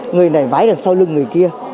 người này vái đằng sau lưng người kia